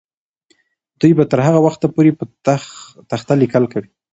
دوی به تر هغه وخته پورې په تخته لیکل کوي.